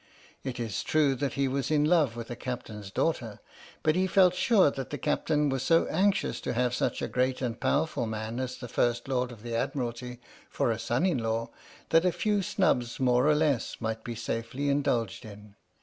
It is true that he was in love with the Captain's daughter, but he felt sure that the Captain was so anxious to have such a great and powerful man as the First Lord of the Admiralty for a son in law, that a few snubs more or less might be safely indulged in.